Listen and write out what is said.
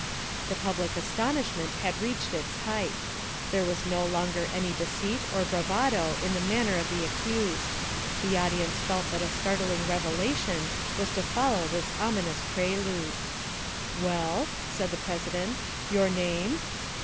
The public astonishment had reached its height. There was no longer any deceit or bravado in the manner of the accused. The audience felt that a startling revelation was to follow this ominous prelude. "Well," said the president; "your name?"